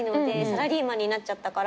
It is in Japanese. サラリーマンになっちゃったから。